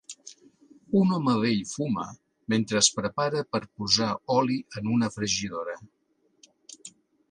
Un home vell fuma mentre es prepara per posar oli en una fregidora